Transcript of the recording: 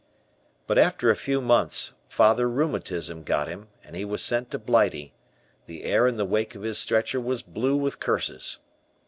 But after a few months Father Rheumatism got him and he was sent to Blighty; the air in the wake of his stretcher was blue with curses.